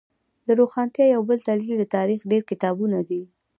د روښانتیا یو دلیل د تاریخ ډیر کتابونه دی